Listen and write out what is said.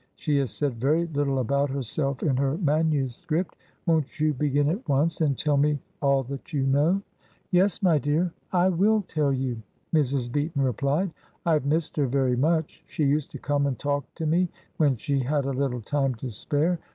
She has said very little about herself in her manuscript. Won't you begin at once, and tell me all that you know?" "Yes, my dear, I will tell you," Mrs. Beaton replied. "I have missed her very much. She used to come and talk to me when she had a little time to spare.